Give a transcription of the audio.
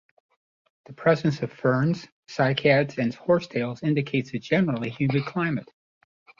The presence of ferns, cycads, and horsetails indicates a generally humid climate.